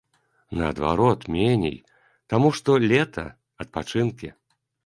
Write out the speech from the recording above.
Наадварот, меней, таму што лета, адпачынкі.